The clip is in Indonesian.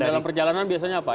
dan dalam perjalanan biasanya apa